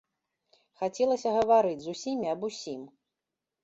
Хацелася гаварыць з усімі аб усім.